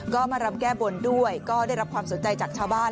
ก็มารำแก้บนด้วยก็ได้รับความสนใจจากชาวบ้าน